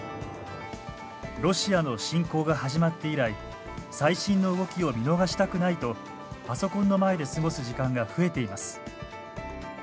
ロシアの侵攻が始まって以来最新の動きを見逃したくないとパソコンの前で過ごす時間が増えています。